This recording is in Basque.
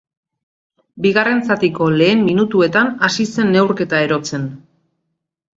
Bigarren zatiko lehen minutuetan hasi zen neurketa erotzen.